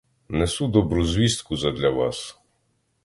Несу добру звістку задля вас!